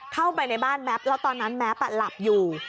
เข้าไปในบ้านแม็ปแล้วตอนนั้นแม็ปหลับอยู่